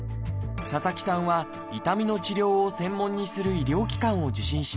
佐々木さんは痛みの治療を専門にする医療機関を受診します。